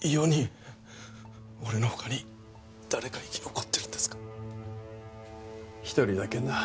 俺の他に誰か生き残ってるんで１人だけな。